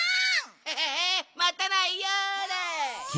ヘヘヘまたないよだ！